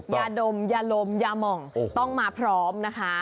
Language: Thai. ยาดมยาลมยาหม่องต้องมาพร้อมนะคะ